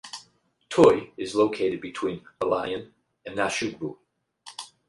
Tuy is located between Balayan and Nasugbu.